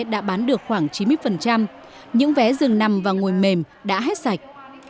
đã bán được khoảng chín mươi những vé rừng nằm và ngồi mềm đã hết sạch